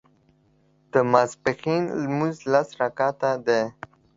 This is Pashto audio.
د ماسپښين لمونځ لس رکعته دی